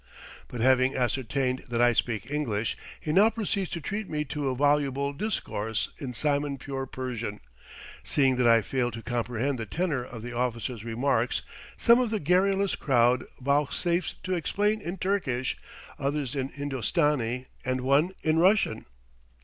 But having ascertained that I speak English, he now proceeds to treat me to a voluble discourse in simon pure Persian. Seeing that I fail to comprehend the tenor of the officer's remarks, some of the garrulous crowd vouchsafe to explain in Turkish, others in Hindostani, and one in Russian!